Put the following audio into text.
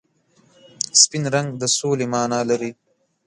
سپین رنګ د سولې مانا لري.